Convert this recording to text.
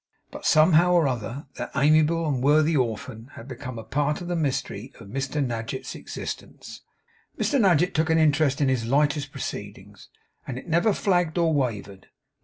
But, somehow or other, that amiable and worthy orphan had become a part of the mystery of Mr Nadgett's existence. Mr Nadgett took an interest in his lightest proceedings; and it never flagged or wavered.